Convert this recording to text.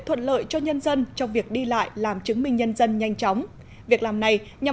thuận lợi cho nhân dân trong việc đi lại làm chứng minh nhân dân nhanh chóng việc làm này nhằm